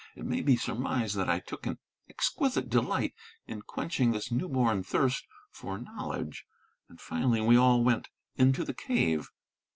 It may be surmised that I took an exquisite delight in quenching this new born thirst for knowledge. And finally we all went into the cave.